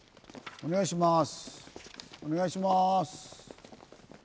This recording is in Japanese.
お願いします。